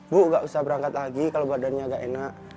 bu nggak usah berangkat lagi kalau badannya agak enak